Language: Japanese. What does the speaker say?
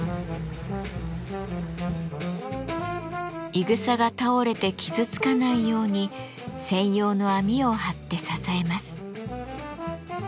いぐさが倒れて傷つかないように専用の網を張って支えます。